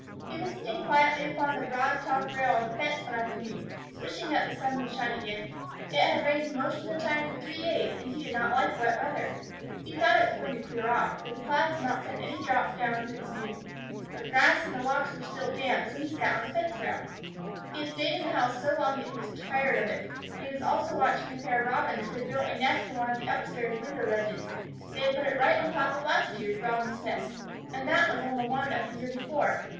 He was sitting quietly upon the broad top rail of the fence one afternoon, wishing that the sun would shine again. It had rained most of the time for three days, and he did not like wet weather. He thought it was going to clear off, for the clouds had not sent any drops down since noon. The grass and walks were still damp, so he sat on the fence rail. He had stayed in the house so long that he was tired of it, and he was also watching a pair of Robins who had built a nest on one of the up stairs window ledges. They had put it right on top of a last year's Robins' nest, and that was on one of the year before.